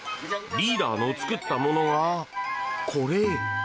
リーダーの作ったものがこれ！